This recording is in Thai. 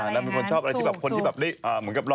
แล้วเป็นคนชอบอะไรที่แบบคนที่แบบ